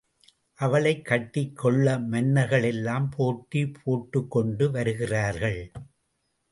அவளைக் கட்டிக் கொள்ள மன்னர்கள் எல்லாம் போட்டி போட்டுக் கொண்டு வருகிறார்கள்.